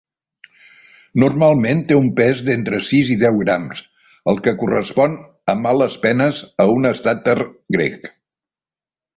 Normalment té un pes d'entre sis i deu grams, el que correspon a males penes a un estàter grec.